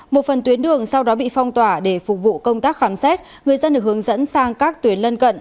một phần tuyến đường sau đó bị phong tỏa để phục vụ công tác khám xét người dân được hướng dẫn sang các tuyến lân cận